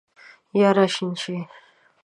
یا راشین شي